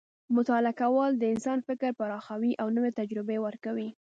مطالعه کول د انسان فکر پراخوي او نوې تجربې ورکوي.